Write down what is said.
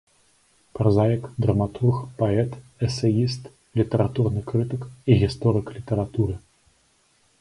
Празаік, драматург, паэт, эсэіст, літаратурны крытык і гісторык літаратуры.